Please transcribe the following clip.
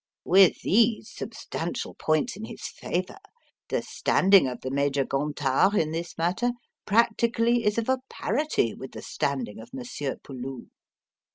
With these substantial points in his favour, the standing of the Major Gontard in this matter practically is of a parity with the standing of Monsieur Peloux.